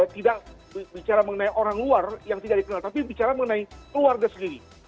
tidak bicara mengenai orang luar yang tidak dikenal tapi bicara mengenai keluarga sendiri